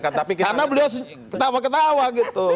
karena beliau ketawa ketawa gitu